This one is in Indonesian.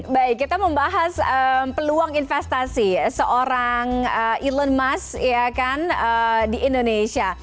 baik kita membahas peluang investasi seorang elon musk di indonesia